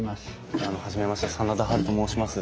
初めまして真田ハルと申します。